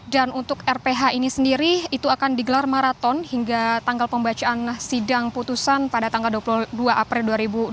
dan untuk rph ini sendiri itu akan digelar maraton hingga tanggal pembacaan sidang putusan pada tanggal dua puluh dua april dua ribu dua puluh empat